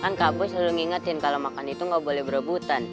kan kak gue selalu ngingetin kalau makan itu nggak boleh berebutan